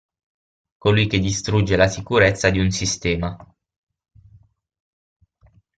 Colui che distrugge le sicurezza di un sistema.